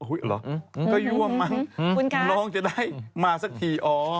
อุ้ยหรอก็ยั่วมากน้องจะได้มาสักทีอ๋อ